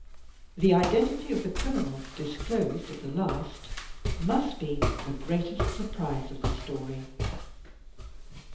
The identity of the criminal, dis closed at the last, must be the greatest siuprise of the story.